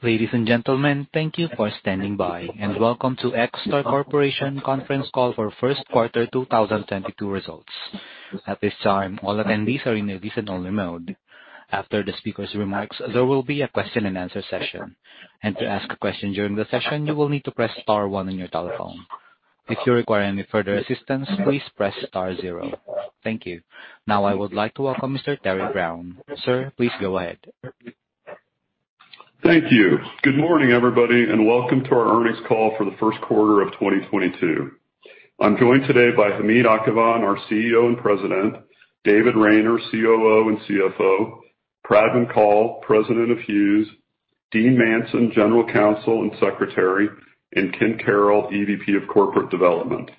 Ladies and gentlemen, thank you for standing by and welcome to EchoStar Corporation’s Conference Call for First Quarter 2022 Results. At this time, all attendees are in a listen only mode. After the speaker's remarks, there will be a question and answer session. To ask a question during the session, you will need to press star one on your telephone. If you require any further assistance, please press star zero. Thank you. Now, I would like to welcome Mr. Terry Brown. Sir, please go ahead. Thank you. Good morning, everybody, and welcome to our Earnings Call for the First Quarter of 2022. I'm joined today by Hamid Akhavan, our CEO and President, David Rayner, COO and CFO, Pradman Kaul, President of Hughes, Dean Manson, General Counsel and Secretary, and Ken Carroll, EVP of Corporate Development.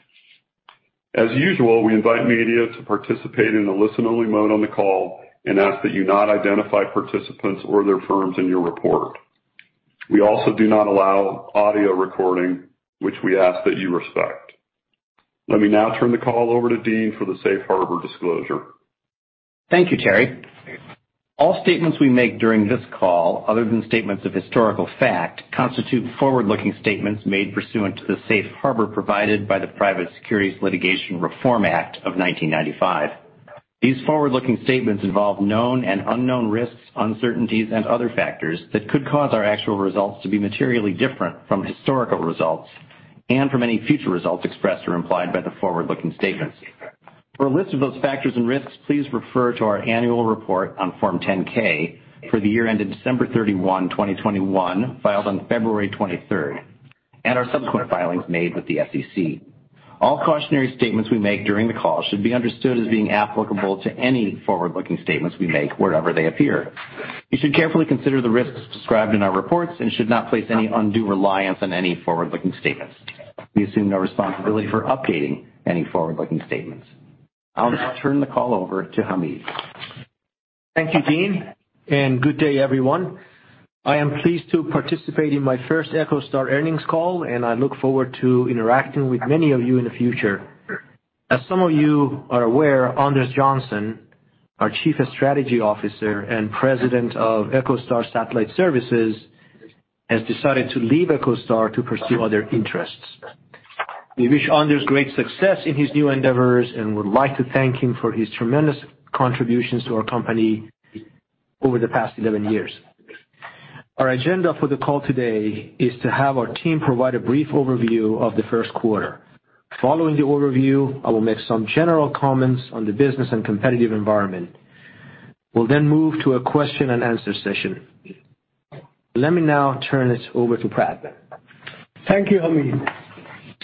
As usual, we invite media to participate in a listen-only mode on the call and ask that you not identify participants or their firms in your report. We also do not allow audio recording, which we ask that you respect. Let me now turn the call over to Dean for the Safe Harbor disclosure. Thank you, Terry. All statements we make during this call, other than statements of historical fact, constitute forward-looking statements made pursuant to the Safe Harbor provided by the Private Securities Litigation Reform Act of 1995. These forward-looking statements involve known and unknown risks, uncertainties, and other factors that could cause our actual results to be materially different from historical results and from any future results expressed or implied by the forward-looking statements. For a list of those factors and risks, please refer to our annual report on Form 10-K for the year ended December 31, 2021, filed on February 23rd, and our subsequent filings made with the SEC. All cautionary statements we make during the call should be understood as being applicable to any forward-looking statements we make wherever they appear. You should carefully consider the risks described in our reports and should not place any undue reliance on any forward-looking statements. We assume no responsibility for updating any forward-looking statements. I'll now turn the call over to Hamid. Thank you, Dean, and good day, everyone. I am pleased to participate in my first EchoStar earnings call, and I look forward to interacting with many of you in the future. As some of you are aware, Anders Johnson, our Chief Strategy Officer and President of EchoStar Satellite Services, has decided to leave EchoStar to pursue other interests. We wish Anders great success in his new endeavors and would like to thank him for his tremendous contributions to our company over the past 11 years. Our agenda for the call today is to have our team provide a brief overview of the first quarter. Following the overview, I will make some general comments on the business and competitive environment. We'll then move to a question and answer session. Let me now turn this over to Prad. Thank you, Hamid.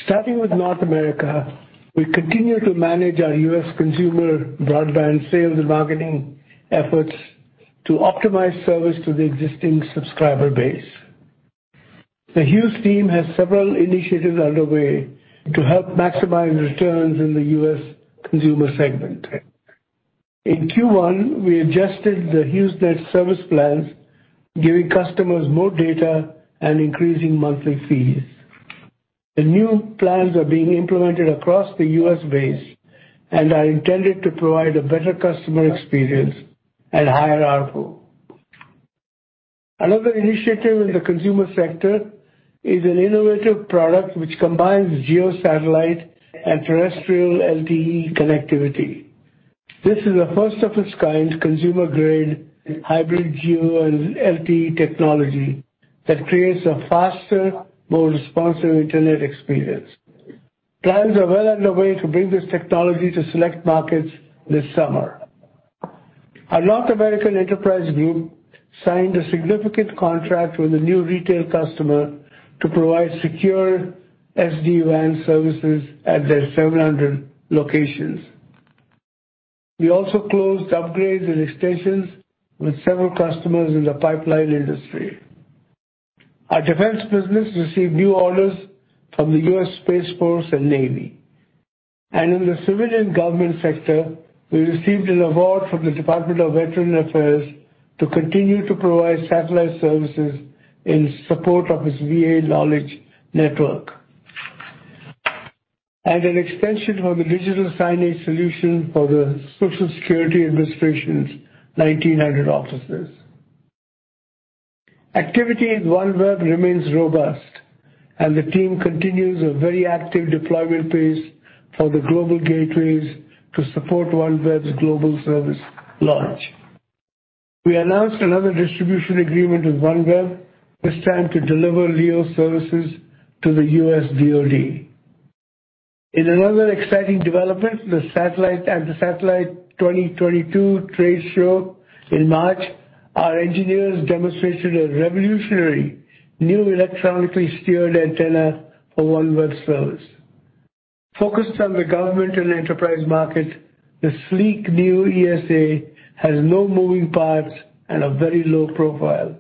Starting with North America, we continue to manage our U.S. Consumer Broadband sales and marketing efforts to optimize service to the existing subscriber base. The Hughes team has several initiatives underway to help maximize returns in the U.S. consumer segment. In Q1, we adjusted the HughesNet service plans, giving customers more data and increasing monthly fees. The new plans are being implemented across the U.S. base and are intended to provide a better customer experience at higher output. Another initiative in the consumer sector is an innovative product which combines GEO satellite and terrestrial LTE connectivity. This is a first of its kind consumer-grade hybrid GEO and LTE technology that creates a faster, more responsive internet experience. Plans are well underway to bring this technology to select markets this summer. Our North American enterprise group signed a significant contract with a new retail customer to provide secure SD-WAN services at their 700 locations. We also closed upgrades and extensions with several customers in the pipeline industry. Our defense business received new orders from the U.S. Space Force and Navy. In the civilian government sector, we received an award from the Department of Veterans Affairs to continue to provide satellite services in support of its VA Knowledge Network, and an extension for the digital signage solution for the Social Security Administration's 1,900 offices. Activity at OneWeb remains robust and the team continues a very active deployment pace for the global gateways to support OneWeb's global service launch. We announced another distribution agreement with OneWeb, this time to deliver LEO services to the U.S. DOD. At the SATELLITE 2022 trade show in March, our engineers demonstrated a revolutionary new electronically steered antenna for OneWeb's service. Focused on the government and enterprise market, the sleek new ESA has no moving parts and a very low profile,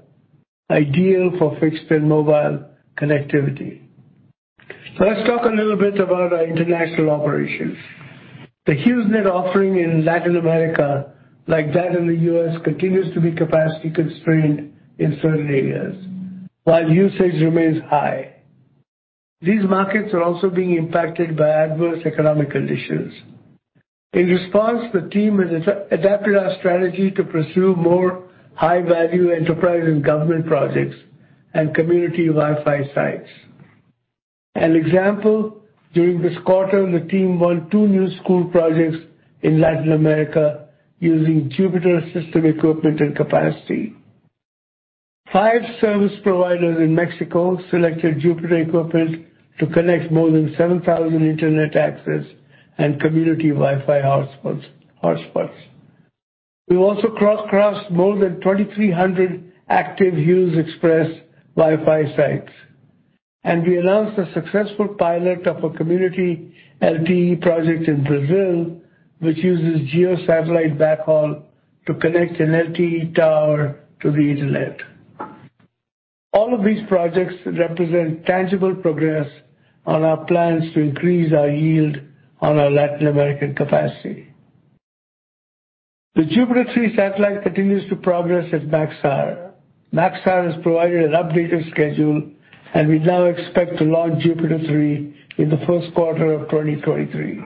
ideal for fixed and mobile connectivity. Let's talk a little bit about our international operations. The HughesNet offering in Latin America, like that in the U.S., continues to be capacity constrained in certain areas, while usage remains high. These markets are also being impacted by adverse economic conditions. In response, the team has adapted our strategy to pursue more high-value enterprise and government projects and community Wi-Fi sites. An example, during this quarter, the team won two new school projects in Latin America using JUPITER system equipment and capacity. Five service providers in Mexico selected JUPITER equipment to connect more than 7,000 internet access and community Wi-Fi hotspots. We also crossed more than 2,300 active HughesXpress Wi-Fi sites. We announced a successful pilot of a community LTE project in Brazil, which uses GEO satellite backhaul to connect an LTE tower to the internet. All of these projects represent tangible progress on our plans to increase our yield on our Latin American capacity. The JUPITER 3 satellite continues to progress at Maxar. Maxar has provided an updated schedule, and we now expect to launch JUPITER 3 in the first quarter of 2023.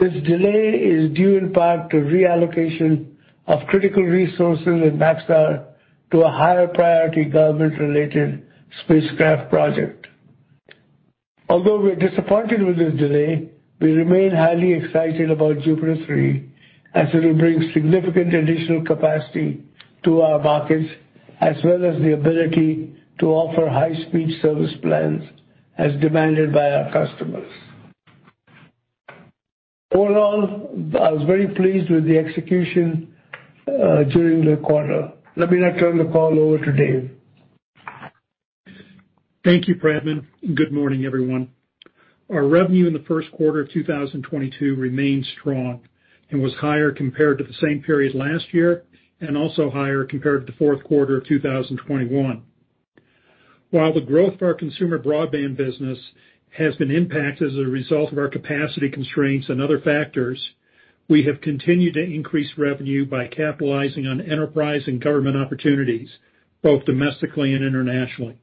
This delay is due in part to reallocation of critical resources at Maxar to a higher priority government-related spacecraft project. Although we're disappointed with this delay, we remain highly excited about JUPITER 3 as it will bring significant additional capacity to our markets, as well as the ability to offer high-speed service plans as demanded by our customers. All in all, I was very pleased with the execution during the quarter. Let me now turn the call over to Dave. Thank you, Pradman. Good morning, everyone. Our revenue in the first quarter of 2022 remained strong and was higher compared to the same period last year and also higher compared to the fourth quarter of 2021. While the growth of our consumer broadband business has been impacted as a result of our capacity constraints and other factors, we have continued to increase revenue by capitalizing on enterprise and government opportunities, both domestically and internationally.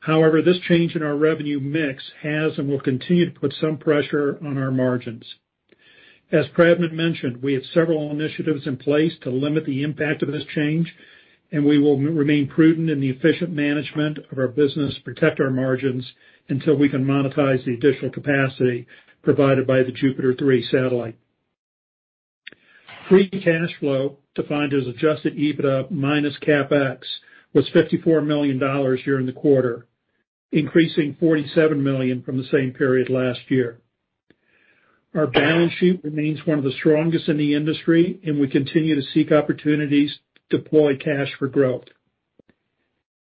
However, this change in our revenue mix has and will continue to put some pressure on our margins. As Pradman mentioned, we have several initiatives in place to limit the impact of this change, and we will remain prudent in the efficient management of our business to protect our margins until we can monetize the additional capacity provided by the JUPITER 3 satellite. Free cash flow, defined as adjusted EBITDA minus CapEx, was $54 million during the quarter, increasing $47 million from the same period last year. Our balance sheet remains one of the strongest in the industry, and we continue to seek opportunities to deploy cash for growth.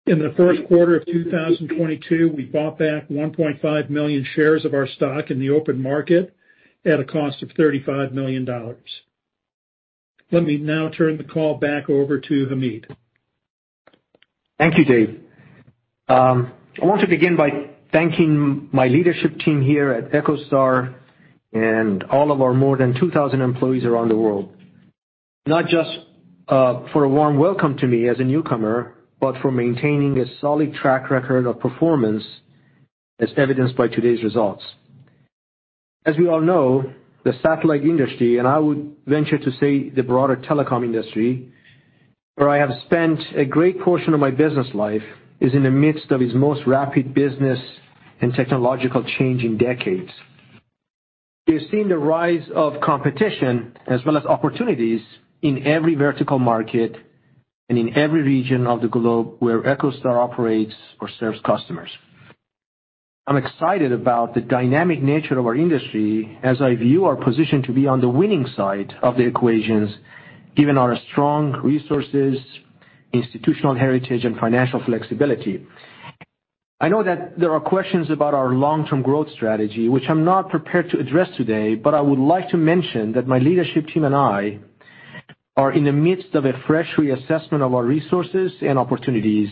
In the first quarter of 2022, we bought back 1.5 million shares of our stock in the open market at a cost of $35 million. Let me now turn the call back over to Hamid. Thank you, Dave. I want to begin by thanking my leadership team here at EchoStar and all of our more than 2,000 employees around the world, not just for a warm welcome to me as a newcomer, but for maintaining a solid track record of performance, as evidenced by today's results. As we all know, the satellite industry, and I would venture to say the broader telecom industry, where I have spent a great portion of my business life, is in the midst of its most rapid business and technological change in decades. We've seen the rise of competition as well as opportunities in every vertical market and in every region of the globe where EchoStar operates or serves customers. I'm excited about the dynamic nature of our industry as I view our position to be on the winning side of the equations, given our strong resources, institutional heritage, and financial flexibility. I know that there are questions about our long-term growth strategy, which I'm not prepared to address today, but I would like to mention that my leadership team and I are in the midst of a fresh reassessment of our resources and opportunities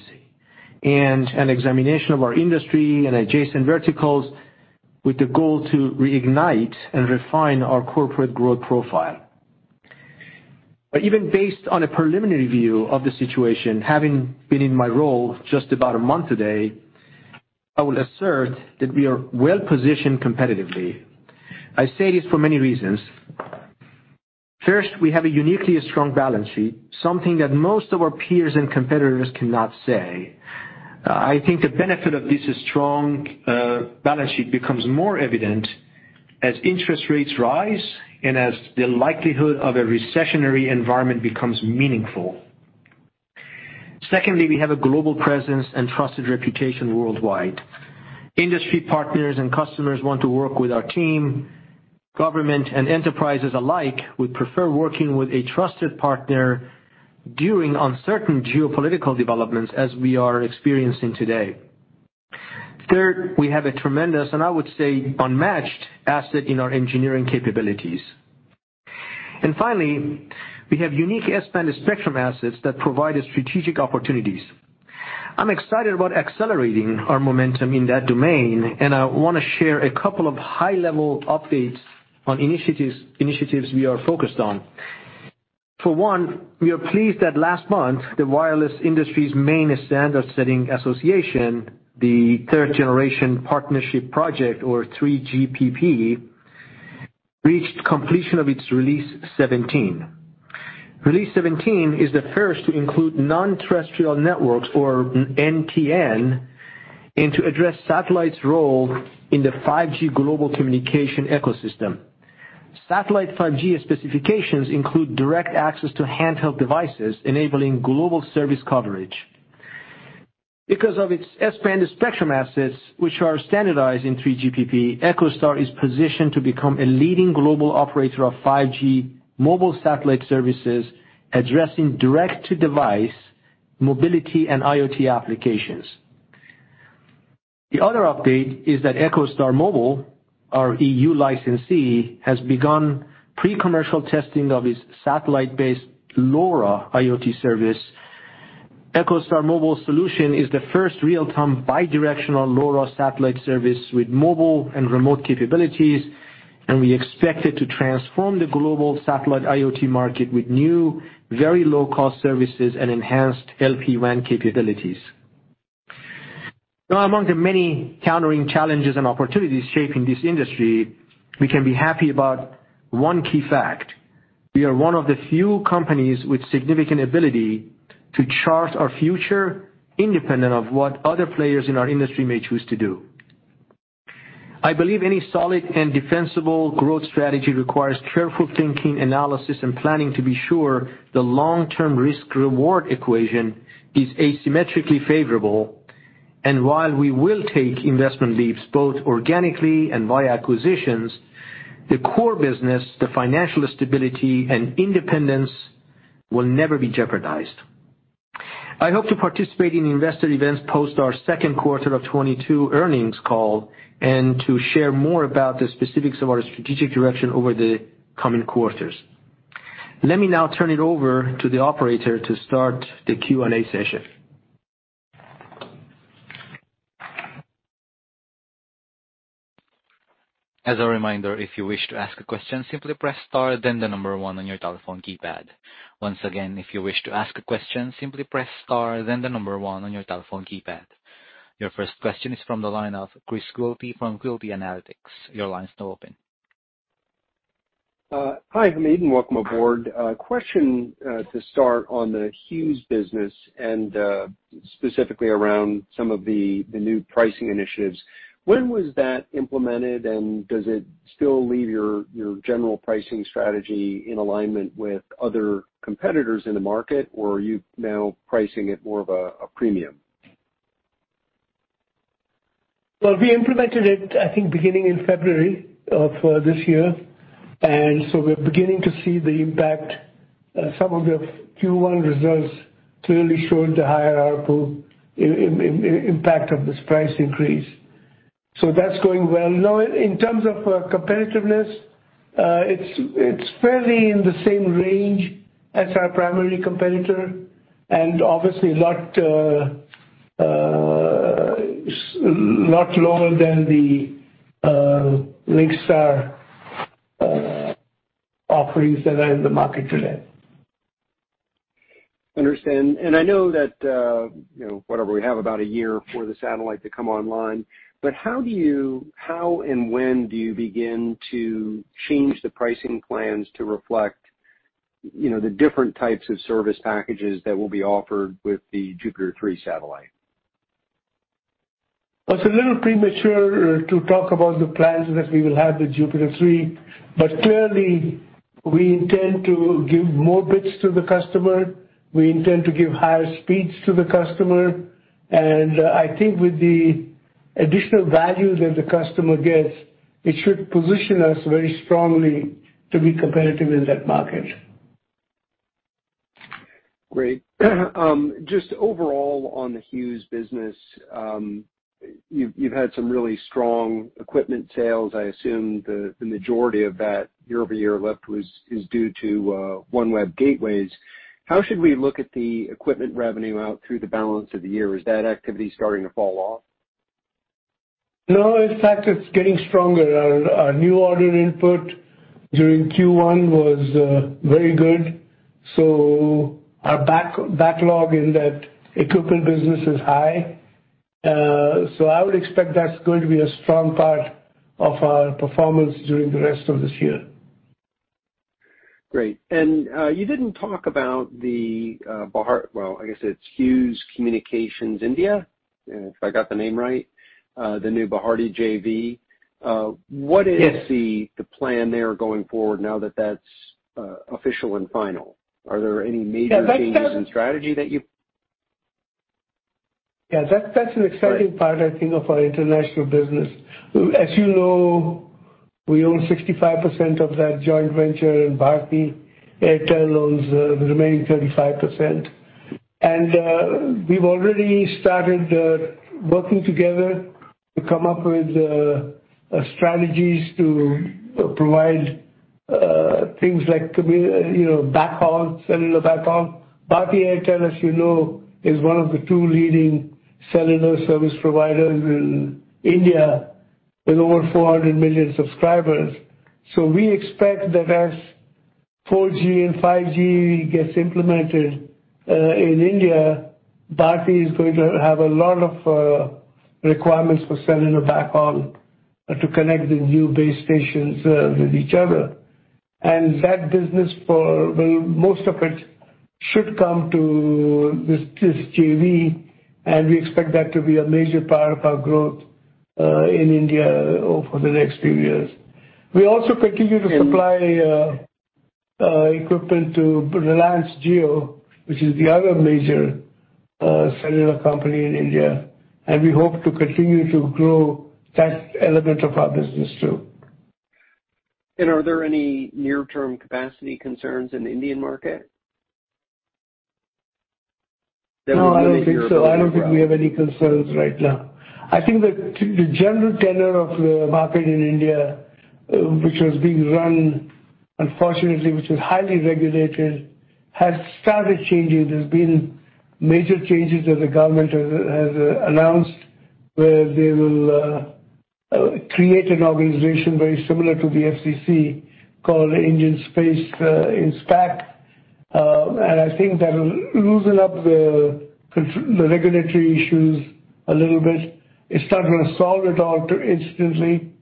and an examination of our industry and adjacent verticals with the goal to reignite and refine our corporate growth profile. Even based on a preliminary view of the situation, having been in my role just about a month today, I will assert that we are well positioned competitively. I say this for many reasons. First, we have a uniquely strong balance sheet, something that most of our peers and competitors cannot say. I think the benefit of this strong balance sheet becomes more evident as interest rates rise and as the likelihood of a recessionary environment becomes meaningful. Secondly, we have a global presence and trusted reputation worldwide. Industry partners and customers want to work with our team. Government and enterprises alike would prefer working with a trusted partner during uncertain geopolitical developments as we are experiencing today. Third, we have a tremendous, and I would say unmatched, asset in our engineering capabilities. Finally, we have unique S-band spectrum assets that provide us strategic opportunities. I'm excited about accelerating our momentum in that domain, and I wanna share a couple of high-level updates on initiatives we are focused on. For one, we are pleased that last month the wireless industry's main standard-setting association, the 3rd Generation Partnership Project or 3GPP, reached completion of its Release 17. Release 17 is the first to include non-terrestrial networks, or NTN, and to address satellite's role in the 5G global communication ecosystem. Satellite 5G specifications include direct access to handheld devices, enabling global service coverage. Because of its S-band spectrum assets, which are standardized in 3GPP, EchoStar is positioned to become a leading global operator of 5G mobile satellite services, addressing direct-to-device mobility and IoT applications. The other update is that EchoStar Mobile, our E.U. licensee, has begun pre-commercial testing of its satellite-based LoRa IoT service. EchoStar Mobile solution is the first real-time bi-directional LoRa satellite service with mobile and remote capabilities, and we expect it to transform the global satellite IoT market with new, very low-cost services and enhanced LPWAN capabilities. Now, among the many countering challenges and opportunities shaping this industry, we can be happy about one key fact. We are one of the few companies with significant ability to chart our future independent of what other players in our industry may choose to do. I believe any solid and defensible growth strategy requires careful thinking, analysis, and planning to be sure the long-term risk/reward equation is asymmetrically favorable. While we will take investment leaps, both organically and via acquisitions, the core business, the financial stability, and independence will never be jeopardized. I hope to participate in investor events post our second quarter of 2022 earnings call, and to share more about the specifics of our strategic direction over the coming quarters. Let me now turn it over to the operator to start the Q&A session. As a reminder, if you wish to ask a question, simply press star then the number one on your telephone keypad. Once again, if you wish to ask a question, simply press star then the number one on your telephone keypad. Your first question is from the line of Chris Quilty from Quilty Analytics. Your line's now open. Hi, Hamid, and welcome aboard. Question to start on the Hughes business and specifically around some of the new pricing initiatives. When was that implemented, and does it still leave your general pricing strategy in alignment with other competitors in the market, or are you now pricing at more of a premium? Well, we implemented it, I think, beginning in February of this year. We're beginning to see the impact. Some of the Q1 results clearly showed the hierarchical impact of this price increase. That's going well. Now, in terms of competitiveness, it's fairly in the same range as our primary competitor, and obviously a lot lower than the Starlink offerings that are in the market today. Understand. I know that, whatever, we have about a year for the satellite to come online. How and when do you begin to change the pricing plans to reflect the different types of service packages that will be offered with the JUPITER 3 satellite? It's a little premature to talk about the plans that we will have with JUPITER 3, but clearly we intend to give more bits to the customer. We intend to give higher speeds to the customer. I think with the additional value that the customer gets, it should position us very strongly to be competitive in that market. Great. Just overall on the Hughes business, you've had some really strong equipment sales. I assume the majority of that year-over-year lift is due to OneWeb gateways. How should we look at the equipment revenue out through the balance of the year? Is that activity starting to fall off? No. In fact, it's getting stronger. Our new order input during Q1 was very good. Our backlog in that equipment business is high. I would expect that's going to be a strong part of our performance during the rest of this year. Great. You didn't talk about the Bharti. Well, I guess it's Hughes Communications India, if I got the name right, the new Bharti JV. What is the plan there, going forward now that’s official and final? Are there any major changes in strategy that you've? Yeah. That's an exciting part. All right. I think of our international business. As you know, we own 65% of that joint venture, and Bharti Airtel owns the remaining 35%. We've already started working together to come up with strategies to provide things like, you know, backhaul, cellular backhaul. Bharti Airtel, as you know, is one of the two leading cellular service providers in India. With over 400 million subscribers. We expect that as 4G and 5G gets implemented in India, Bharti is going to have a lot of requirements for selling the backhaul to connect the new base stations with each other. That business, most of it should come to this JV, and we expect that to be a major part of our growth in India over the next few years. We also continue to supply equipment to Reliance Jio, which is the other major cellular company in India, and we hope to continue to grow that element of our business too. Are there any near-term capacity concerns in the Indian market? No, I don't think so. I don't think we have any concerns right now. I think the general tenor of the market in India, which was being run, unfortunately, which was highly regulated, has started changing. There's been major changes that the government has announced, where they will create an organization very similar to the FCC called IN-SPACe. I think that'll loosen up the regulatory issues a little bit. It's not gonna solve it all instantly,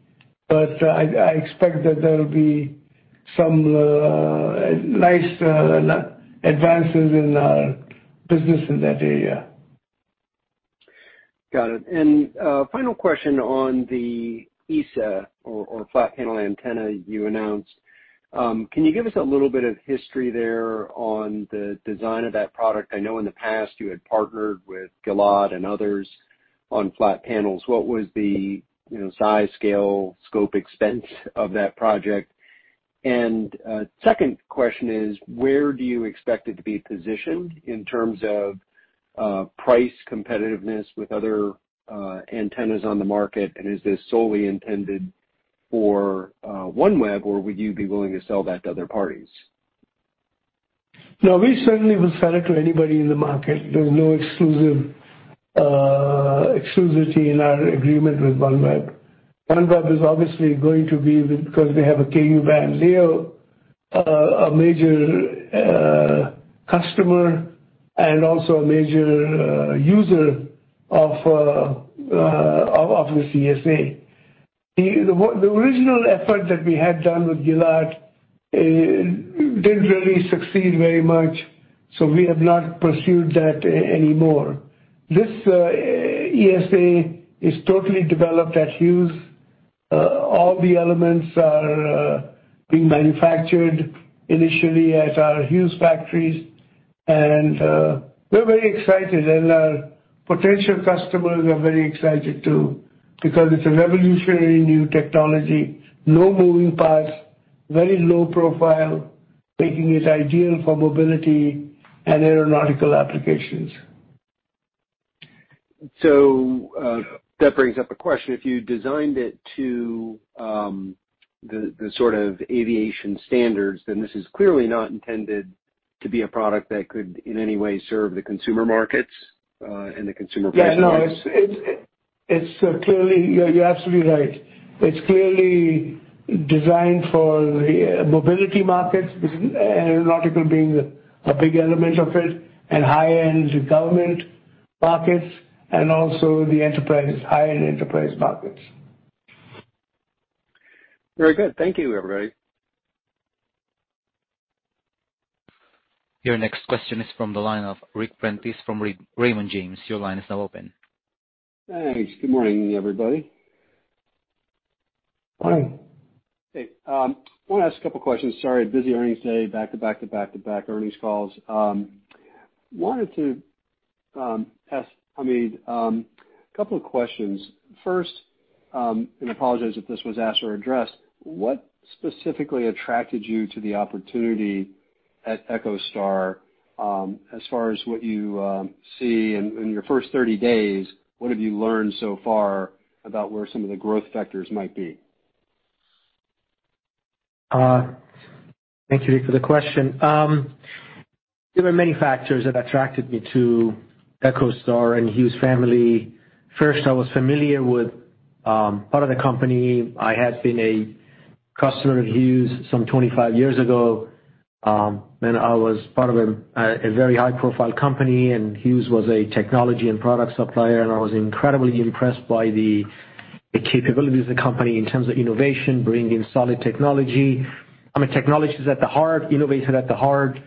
but I expect that there'll be some nice advances in our business in that area. Got it. Final question on the ESA or flat panel antenna you announced. Can you give us a little bit of history there on the design of that product? I know in the past you had partnered with Gilat and others on flat panels. What was the size, scale, scope, expense of that project? Second question is, where do you expect it to be positioned in terms of price competitiveness with other antennas on the market? Is this solely intended for OneWeb, or would you be willing to sell that to other parties? No, we certainly will sell it to anybody in the market. There's no exclusive, exclusivity in our agreement with OneWeb. OneWeb is obviously going to be, because they have a Ku-band LEO, a major customer and also a major user of the CSA. The original effort that we had done with Gilat didn't really succeed very much, so we have not pursued that anymore. This ESA is totally developed at Hughes. All the elements are being manufactured initially at our Hughes factories, and we're very excited and our potential customers are very excited too, because it's a revolutionary new technology, no moving parts, very low profile, making it ideal for mobility and aeronautical applications. That brings up a question. If you designed it to the sort of aviation standards, then this is clearly not intended to be a product that could in any way serve the consumer markets, and the consumer. Yeah, no. You're absolutely right. It's clearly designed for the mobility markets, aeronautical being a big element of it, and high-end government markets and also the enterprise, high-end enterprise markets. Very good. Thank you, everybody. Your next question is from the line of Ric Prentiss from Raymond James. Your line is now open. Thanks. Good morning, everybody. Morning. Hey, wanna ask a couple questions. Sorry, busy earnings day, back-to-back earnings calls. Wanted to ask Hamid a couple of questions. First, apologize if this was asked or addressed, what specifically attracted you to the opportunity at EchoStar, as far as what you see in your first 30 days, what have you learned so far about where some of the growth vectors might be? Thank you, Rick, for the question. There were many factors that attracted me to EchoStar and Hughes family. First, I was familiar with part of the company. I had been a customer of Hughes some 25 years ago, when I was part of a very high-profile company, and Hughes was a technology and product supplier, and I was incredibly impressed by the capabilities of the company in terms of innovation, bringing solid technology. I mean, technology is at the heart, innovation at the heart.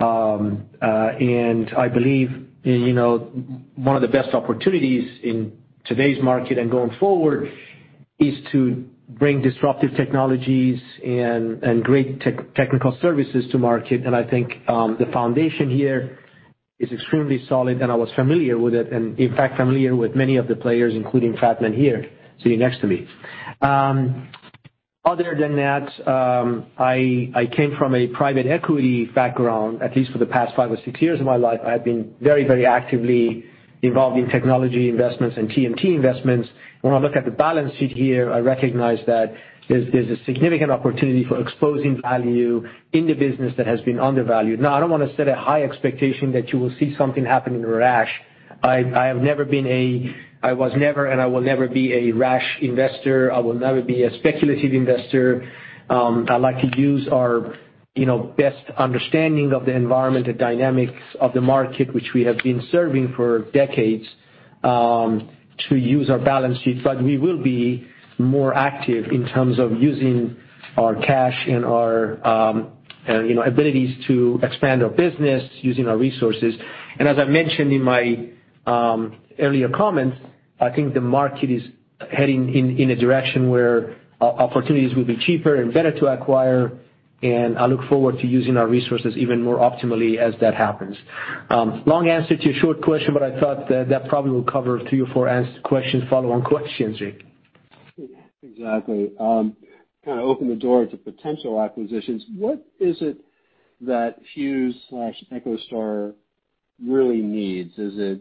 I believe one of the best opportunities in today's market and going forward is to bring disruptive technologies and great technical services to market. I think, the foundation here is extremely solid, and I was familiar with it and, in fact, familiar with many of the players, including Pradman here, sitting next to me. Other than that, I came from a private equity background. At least for the past five or six years of my life, I have been very, very actively involved in technology investments and TMT investments. When I look at the balance sheet here, I recognize that there's a significant opportunity for exposing value in the business that has been undervalued. Now, I don't wanna set a high expectation that you will see something happen in a rush. I was never and I will never be a rash investor. I will never be a speculative investor. I'd like to use our best understanding of the environment, the dynamics of the market which we have been serving for decades, to use our balance sheet, but we will be more active in terms of using our cash and our abilities to expand our business using our resources. As I mentioned in my earlier comments, I think the market is heading in a direction where opportunities will be cheaper and better to acquire, and I look forward to using our resources even more optimally as that happens. Long answer to your short question, but I thought that probably will cover three or four follow-on questions, Ric Prentiss. Exactly. Kinda open the door to potential acquisitions. What is it that Hughes/EchoStar really needs? Is it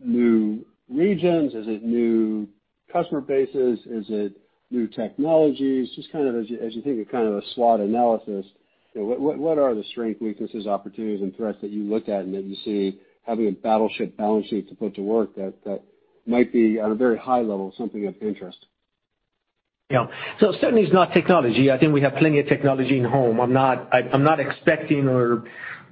new regions? Is it new customer bases? Is it new technologies? Just kind of as you think of kind of a SWOT analysis, you know, what are the strengths, weaknesses, opportunities and threats that you look at and that you see having a battleship balance sheet to put to work that might be on a very high level, something of interest? Certainly it's not technology. I think we have plenty of technology in-house. I'm not expecting or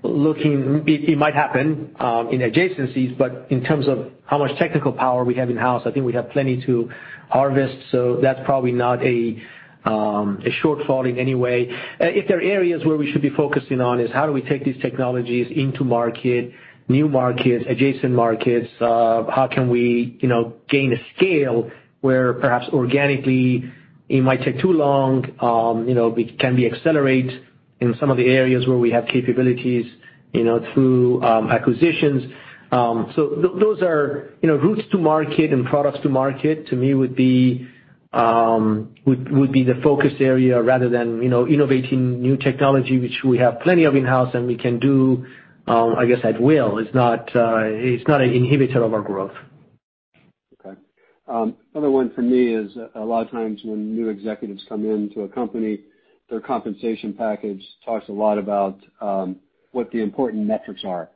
looking. It might happen in adjacencies, but in terms of how much technical power we have in-house, I think we have plenty to harvest, so that's probably not a shortfall in any way. If there are areas where we should be focusing on is how do we take these technologies into market, new markets, adjacent markets, how can we gain a scale where perhaps organically it might take too long, can we accelerate in some of the areas where we have capabilities through acquisitions. Those are routes to market and products to market to me would be the focus area rather than innovating new technology, which we have plenty of in-house and we can do, I guess at will. It's not an inhibitor of our growth. Okay. Another one for me is a lot of times when new executives come into a company, their compensation package talks a lot about what the important metrics are.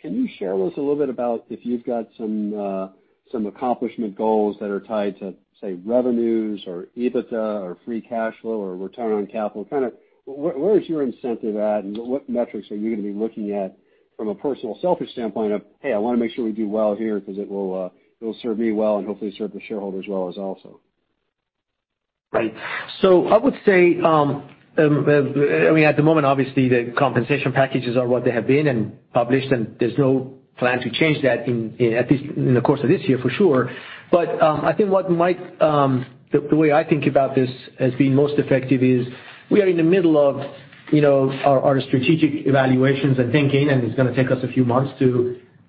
Can you share with us a little bit about if you've got some accomplishment goals that are tied to, say, revenues or EBITDA or free cash flow or return on capital? Kinda where is your incentive at and what metrics are you gonna be looking at from a personal selfish standpoint of, "Hey, I wanna make sure we do well here 'cause it will serve me well and hopefully serve the shareholders well as also. Right. I would say, I mean, at the moment, obviously, the compensation packages are what they have been and published, and there's no plan to change that in at least the course of this year, for sure. I think the way I think about this as being most effective is we are in the middle of our strategic evaluations and thinking, and it's gonna take us a few months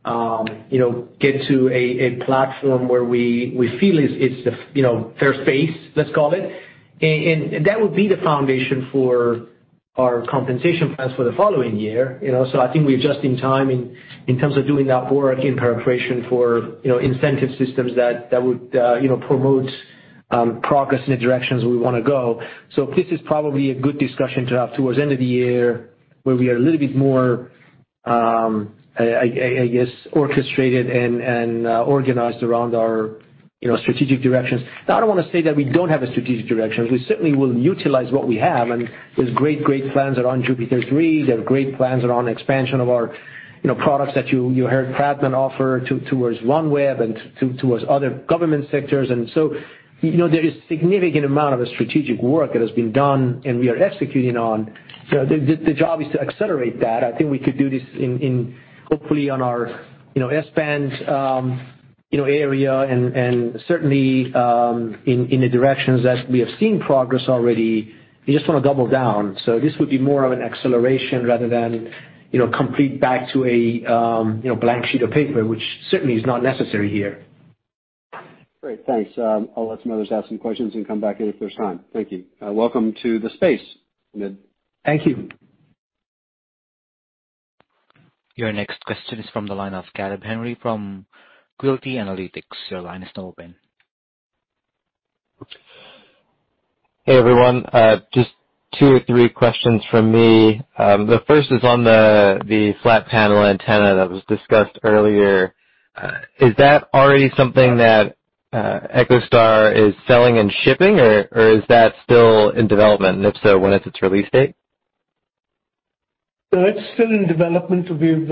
to, you know, get to a platform where we feel it's the fair space, let's call it. That would be the foundation for our compensation plans for the following year. I think, we're just in time in terms of doing that work in preparation for incentive systems that would, you know, promote progress in the directions we wanna go. This is probably a good discussion to have towards the end of the year where we are a little bit more, I guess, orchestrated and organized around our strategic directions. Now, I don't wanna say that we don't have a strategic direction. We certainly will utilize what we have, and there's great plans around JUPITER 3. There are great plans around expansion of our products that you heard Pradman offer towards OneWeb and towards other government sectors. You know, there is significant amount of strategic work that has been done and we are executing on. The job is to accelerate that. I think we could do this in hopefully on our S-band area and certainly in the directions as we have seen progress already. We just wanna double down. This would be more of an acceleration rather than completely back to a blank sheet of paper, which certainly is not necessary here. Great. Thanks. I'll let some others ask some questions and come back in if there's time. Thank you. Welcome to the space, Hamid. Thank you. Your next question is from the line of Caleb Henry from Quilty Analytics. Your line is now open. Hey, everyone. Just two or three questions from me. The first is on the flat panel antenna that was discussed earlier. Is that already something that EchoStar is selling and shipping, or is that still in development? If so, when is its release date? It's still in development. We've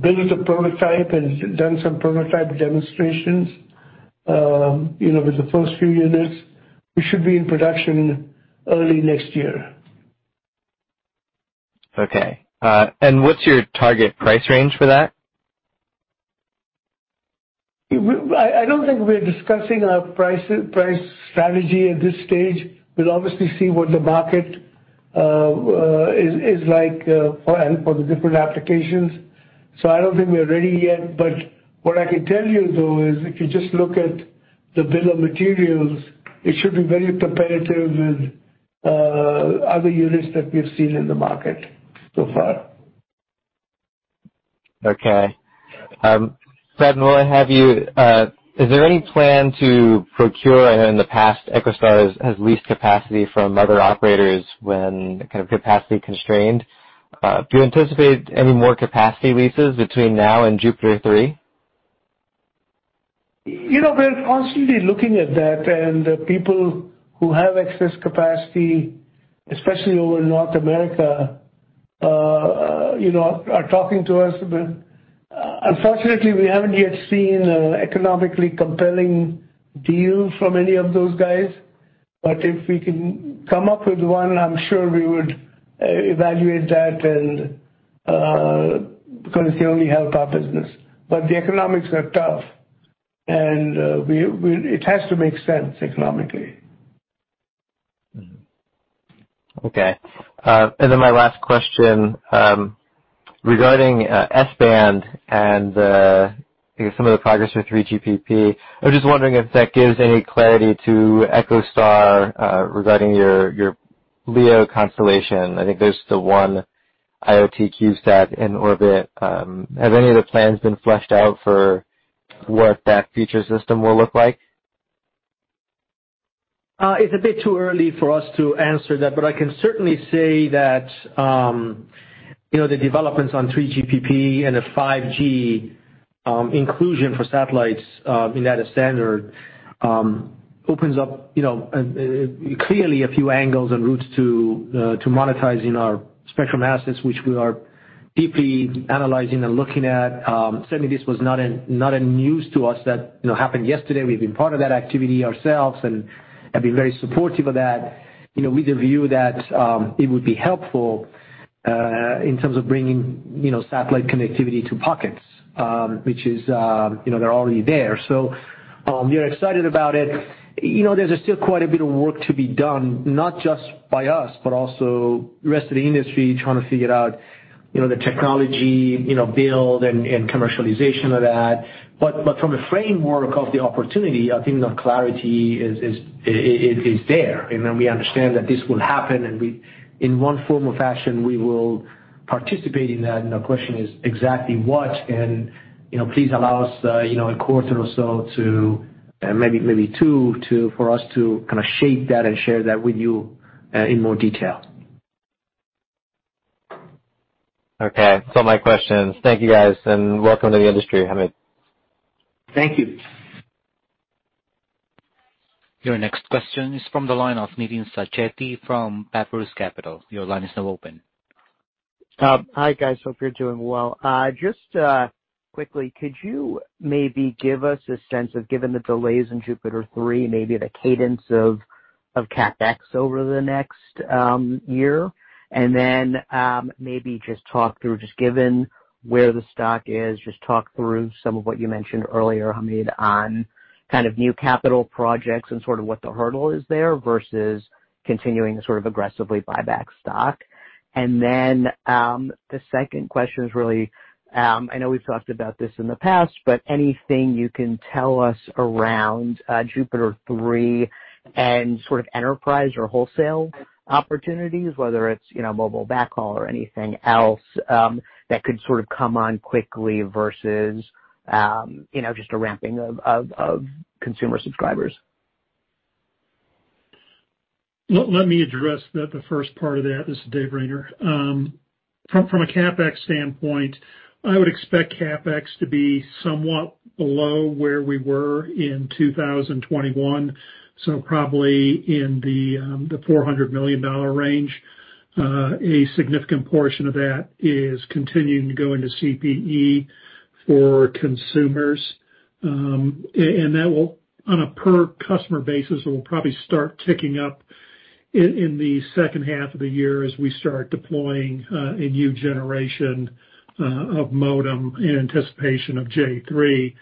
built the prototype and done some prototype demonstrations, you know, with the first few units. We should be in production early next year. Okay. What's your target price range for that? I don't think we're discussing our price strategy at this stage. We'll obviously see what the market is like for the different applications. I don't think we're ready yet. What I can tell you, though, is if you just look at the bill of materials, it should be very competitive with other units that we've seen in the market so far. Okay. Pradman, while I have you, is there any plan to procure? I know in the past, EchoStar has leased capacity from other operators when kind of capacity constrained. Do you anticipate any more capacity leases between now and JUPITER 3? You know, we're constantly looking at that, and people who have excess capacity, especially over in North America, are talking to us. Unfortunately, we haven't yet seen an economically compelling deal from any of those guys. If we can come up with one, I'm sure we would evaluate that and, because it's the only help our business. The economics are tough, and it has to make sense economically. My last question, regarding S-band and some of the progress with 3GPP. I'm just wondering if that gives any clarity to EchoStar, regarding your LEO constellation. I think there's the one IoT EchoStar XXI in orbit. Have any of the plans been fleshed out for what that future system will look like? It's a bit too early for us to answer that, but I can certainly say that, you know, the developments on 3GPP and the 5G inclusion for satellites in that standard opens up, clearly a few angles and routes to to monetizing our spectrum assets, which we are deeply analyzing and looking at. Certainly this was not in news to us that, you know, happened yesterday. We've been part of that activity ourselves and been very supportive of that, with the view that it would be helpful in terms of bringing satellite connectivity to pockets which is, you know, they're already there. We are excited about it. You know, there's still quite a bit of work to be done, not just by us, but also the rest of the industry trying to figure out the technology, build and commercialization of that. But from a framework of the opportunity, I think the clarity is there, and then we understand that this will happen and we, in one form or fashion, will participate in that. The question is exactly what, and please allow us a quarter or so, maybe two, for us to kind of shape that and share that with you in more detail. Okay. That's all my questions. Thank you, guys, and welcome to the industry, Hamid. Thank you. Your next question is from the line of Nitin Sacheti from Papyrus Capital. Your line is now open. Hi, guys. Hope you're doing well. Just quickly, could you maybe give us a sense of, given the delays in JUPITER 3, maybe the cadence of CapEx over the next year? Maybe just talk through, just given where the stock is, just talk through some of what you mentioned earlier, Hamid, on kind of new capital projects and sort of what the hurdle is there versus continuing to sort of aggressively buy back stock. The second question is really, I know we've talked about this in the past, but anything you can tell us around JUPITER 3 and sort of enterprise or wholesale opportunities, whether it's mobile backhaul or anything else, that could sort of come on quickly versus just a ramping of consumer subscribers. Let me address the first part of that. This is Dave Rayner. From a CapEx standpoint, I would expect CapEx to be somewhat below where we were in 2021, so probably in the $400 million range. A significant portion of that is continuing to go into CPE for consumers. And that will, on a per customer basis, probably start ticking up in the second half of the year as we start deploying a new generation of modem in anticipation of J3.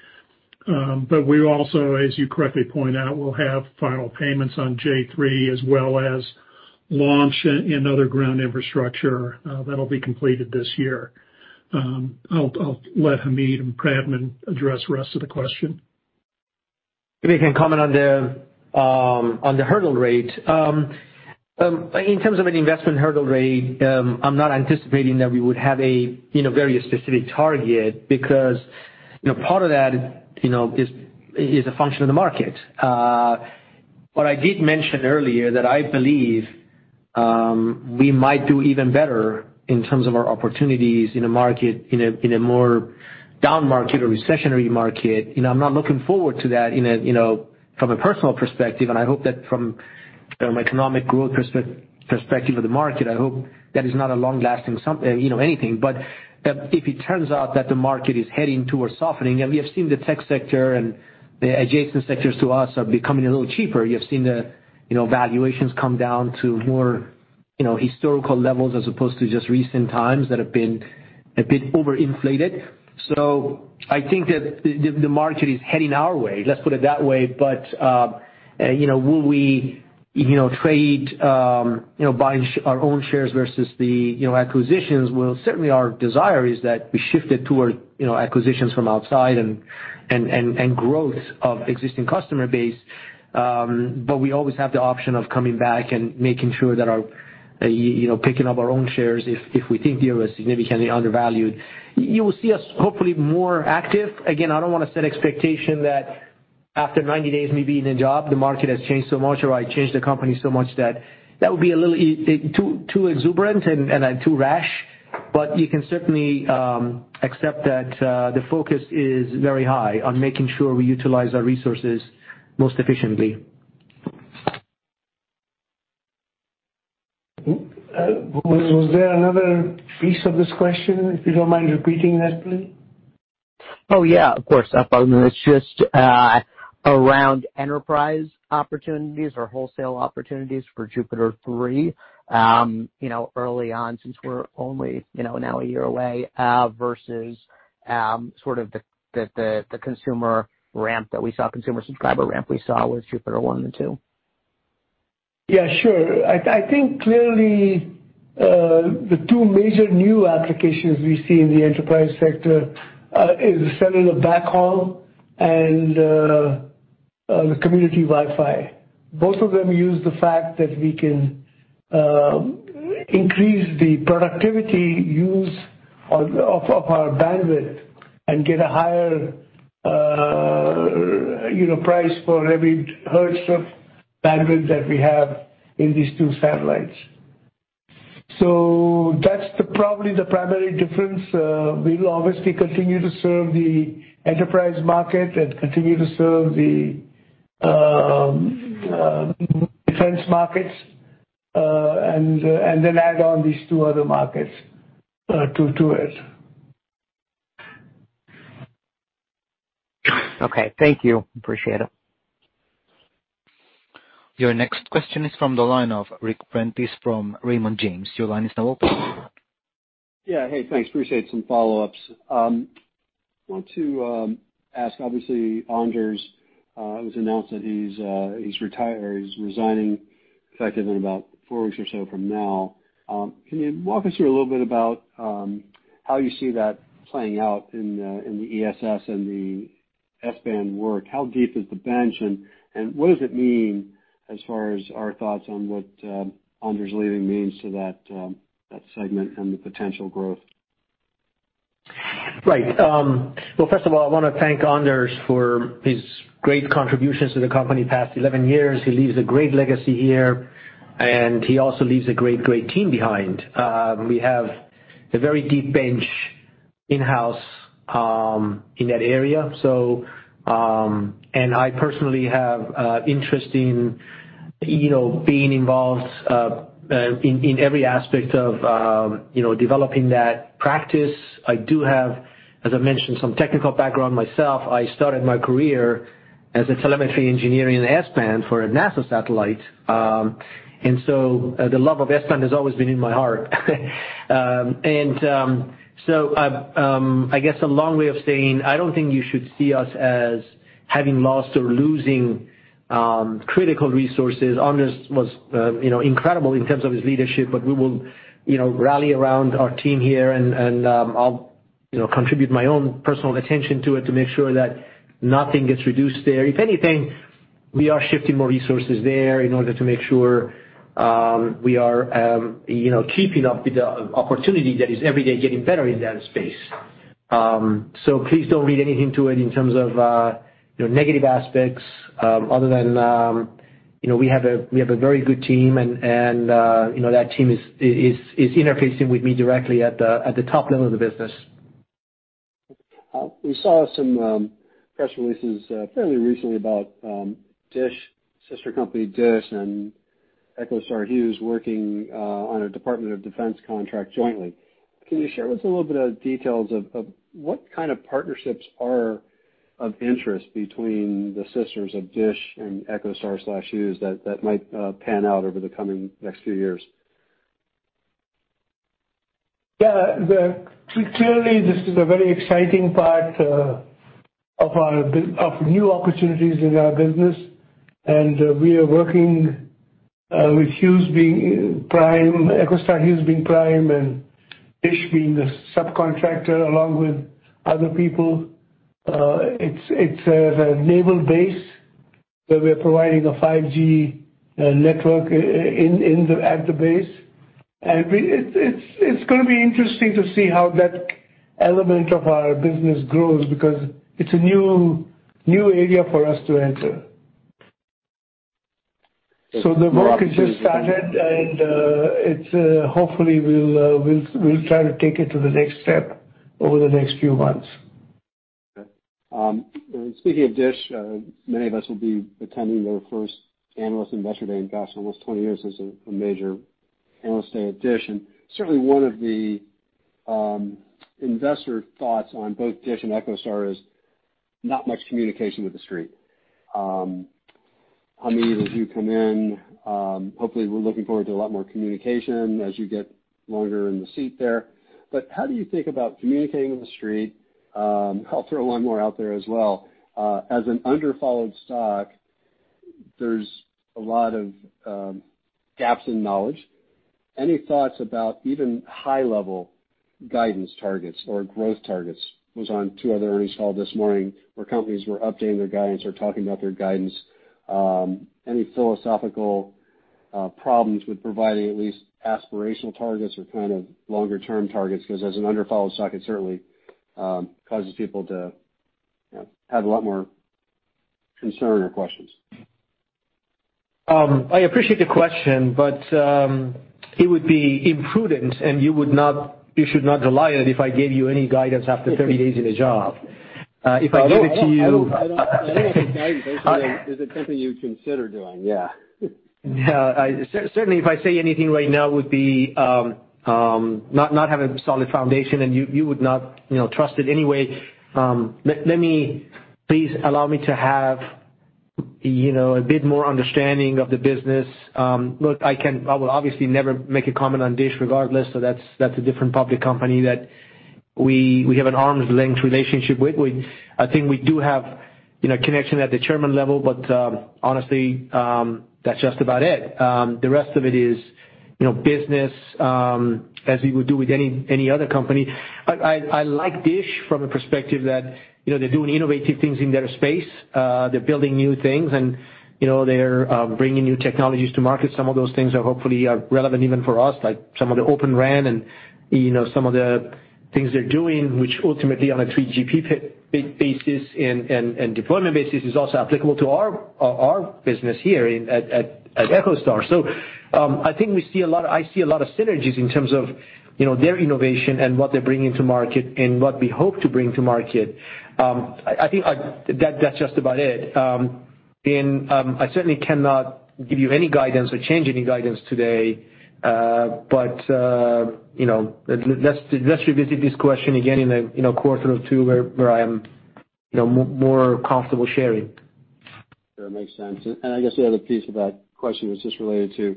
But we also, as you correctly point out, will have final payments on J3 as well as launch and other ground infrastructure that'll be completed this year. I'll let Hamid and Pradman address the rest of the question. Maybe I can comment on the hurdle rate. In terms of an investment hurdle rate, I'm not anticipating that we would have a very specific target because part of that is a function of the market. What I did mention earlier that I believe we might do even better in terms of our opportunities in a market, in a more down market or recessionary market. I'm not looking forward to that from a personal perspective, and I hope that from an economic growth perspective of the market, I hope that is not a long lasting, you know, anything. If it turns out that the market is heading toward softening, and we have seen the tech sector and adjacent sectors to us are becoming a little cheaper. You have seen the valuations come down to more historical levels as opposed to just recent times that have been a bit overinflated. I think that the market is heading our way, let's put it that way. Will we, buying our own shares versus the acquisitions? Well, certainly, our desire is that we shift it toward acquisitions from outside and growth of existing customer base. We always have the option of coming back and making sure that our picking up our own shares if we think they are significantly undervalued. You will see us hopefully more active. Again, I don't wanna set expectation that after 90 days me being in the job, the market has changed so much or I changed the company so much that that would be a little too exuberant and too rash. You can certainly accept that the focus is very high on making sure we utilize our resources most efficiently. Was there another piece of this question, if you don't mind repeating that, please? Oh, yeah, of course. I follow. It's just around enterprise opportunities or wholesale opportunities for JUPITER 3 early on since we're only now a year away versus sort of the consumer ramp that we saw, consumer subscriber ramp we saw with JUPITER 1 and 2. Yeah, sure. I think clearly the two major new applications we see in the enterprise sector is the cellular backhaul and the community Wi-Fi. Both of them use the fact that we can increase the productivity use of our bandwidth and get a higher you know price for every hertz of bandwidth that we have in these two satellites. That's probably the primary difference. We will obviously continue to serve the enterprise market and continue to serve the defense markets and then add on these two other markets to it. Okay. Thank you. Appreciate it. Your next question is from the line of Ric Prentiss from Raymond James. Your line is now open. Yeah. Hey, thanks. Appreciate some follow-ups. Want to ask, obviously, Anders, it was announced that he's resigning effective in about four weeks or so from now. Can you walk us through a little bit about how you see that playing out in the ESS and the S-band work? How deep is the bench, and what does it mean as far as our thoughts on what Anders leaving means to that segment and the potential growth? Right. Well, first of all, I wanna thank Anders for his great contributions to the company the past 11 years. He leaves a great legacy here, and he also leaves a great team behind. We have a very deep bench in-house, in that area. I personally have interest in being involved, in every aspect of, you know, developing that practice. I do have, as I mentioned, some technical background myself. I started my career as a telemetry engineer in S-band for a NASA satellite. The love of S-band has always been in my heart. I guess a long way of saying I don't think you should see us as having lost or losing, critical resources. Anders was incredible in terms of his leadership, but we will rally around our team here and I'll, you know, contribute my own personal attention to it to make sure that nothing gets reduced there. If anything, we are shifting more resources there in order to make sure we are keeping up with the opportunity that is every day getting better in that space. Please don't read anything to it in terms of negative aspects, other than we have a very good team and that team is interfacing with me directly at the top level of the business. We saw some press releases fairly recently about DISH, sister company DISH and EchoStar/Hughes working on a Department of Defense contract jointly. Can you share with us a little bit of details of what kind of partnerships are of interest between the sisters of DISH and EchoStar/Hughes that might pan out over the coming next few years? Yeah. Clearly, this is a very exciting part of new opportunities in our business, and we are working with EchoStar Hughes being prime and DISH being the subcontractor along with other people. It's the naval base where we are providing a 5G network at the base. It's gonna be interesting to see how that element of our business grows because it's a new area for us to enter. The work has just started, and hopefully we'll try to take it to the next step over the next few months. Speaking of DISH, many of us will be attending their first Analyst Investor Day in gosh, almost 20 years as a major analyst day at DISH. Certainly one of the investor thoughts on both DISH and EchoStar is not much communication with the Street. Hamid, as you come in, hopefully we're looking forward to a lot more communication as you get longer in the seat there. How do you think about communicating with the Street? I'll throw one more out there as well. As an underfollowed stock, there's a lot of gaps in knowledge. Any thoughts about even high level guidance targets or growth targets? Was on two other earnings calls this morning where companies were updating their guidance or talking about their guidance. Any philosophical problems with providing at least aspirational targets or kind of longer term targets? Because as an underfollowed stock, it certainly causes people to have a lot more concern or questions. I appreciate the question, but it would be imprudent, and you should not rely on it if I gave you any guidance after 30 days in the job. If I gave it to you. I don't want any guidance. I'm saying is it something you consider doing? Yeah. Yeah. Certainly, if I say anything right now, it would not have a solid foundation, and you would not trust it anyway. Please allow me to have a bit more understanding of the business. Look, I will obviously never make a comment on DISH regardless. That's a different public company that we have an arm's length relationship with. I think we do have connection at the Chairman level, but honestly, that's just about it. The rest of it is business as we would do with any other company. I like DISH from a perspective that they're doing innovative things in their space. They're building new things and they're bringing new technologies to market. Some of those things are hopefully relevant even for us, like some of the Open RAN and some of the things they're doing, which ultimately on a 3GPP basis and deployment basis is also applicable to our business here at EchoStar. I think I see a lot of synergies in terms of their innovation and what they're bringing to market and what we hope to bring to market. I think that's just about it. I certainly cannot give you any guidance or change any guidance today. Let's revisit this question again in a you know, quarter or two where I am more comfortable sharing. Sure. Makes sense. I guess the other piece of that question was just related to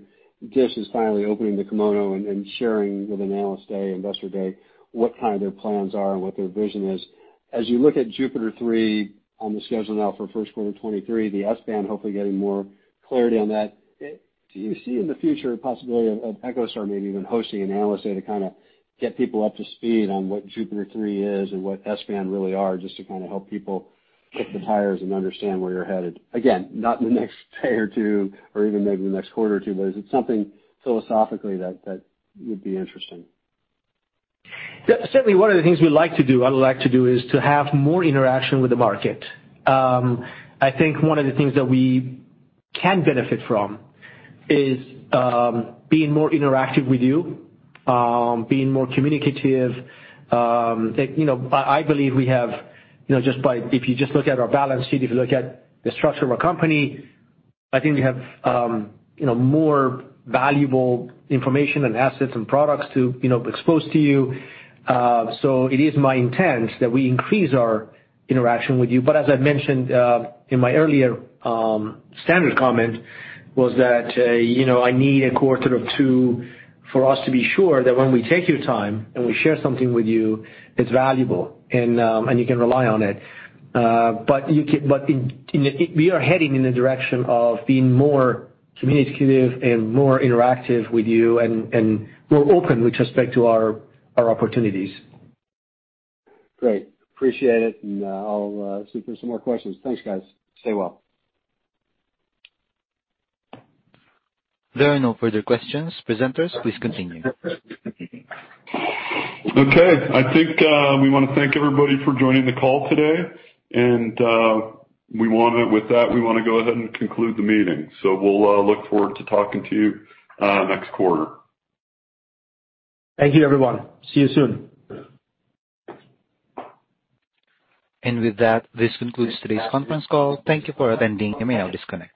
DISH is finally opening the kimono and sharing with Analyst Day, Investor Day, what kind of their plans are and what their vision is. As you look at JUPITER 3 on the schedule now for first quarter 2023, the S-band hopefully getting more clarity on that, do you see in the future a possibility of EchoStar maybe even hosting an Analyst Day to kinda get people up to speed on what JUPITER 3 is and what S-band really are just to kinda help people kick the tires and understand where you're headed? Again, not in the next day or two, or even maybe the next quarter or two, but is it something philosophically that would be interesting? Certainly, one of the things we like to do, I would like to do, is to have more interaction with the market. I think one of the things that we can benefit from is, being more interactive with you, being more communicative. I believe we have, just by if you just look at our balance sheet, if you look at the structure of our company, I think we have more valuable information and assets and products to, you know, expose to you. It is my intent that we increase our interaction with you. As I mentioned, in my earlier standard comment was that I need a quarter or two for us to be sure that when we take your time and we share something with you, it's valuable and you can rely on it. We are heading in the direction of being more communicative and more interactive with you and more open with respect to our opportunities. Great. Appreciate it, and, I'll see if there's some more questions. Thanks, guys. Stay well. There are no further questions. Presenters, please continue. Okay. I think we wanna thank everybody for joining the call today, and we wanna. With that, we wanna go ahead and conclude the meeting. We'll look forward to talking to you next quarter. Thank you, everyone. See you soon. With that, this concludes today's conference call. Thank you for attending. You may now disconnect.